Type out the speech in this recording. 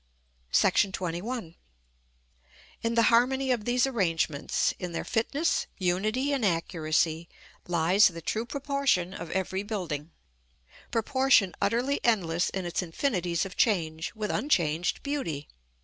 § XXI. In the harmony of these arrangements, in their fitness, unity, and accuracy, lies the true proportion of every building, proportion utterly endless in its infinities of change, with unchanged beauty.